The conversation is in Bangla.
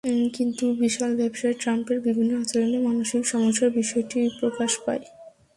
কিন্তু বিশাল ব্যবসায়ী ট্রাম্পের বিভিন্ন আচরণে মানসিক সমস্যার বিষয়টিই প্রকাশ পায়।